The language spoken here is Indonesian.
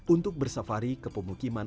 untuk bersafari ke pemukiman